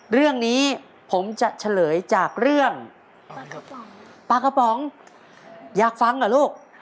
เรื่องนี้ผมจะเฉลยจากเรื่องปลากระป๋องอยากฟังเหรอลูก